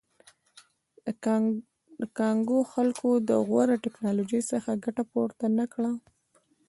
د کانګو خلکو له غوره ټکنالوژۍ څخه ګټه پورته نه کړه.